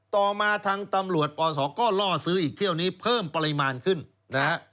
ต่อมาทางตำรวจปศก็ล่อซื้ออีกเที่ยวนี้เพิ่มปริมาณขึ้นนะฮะ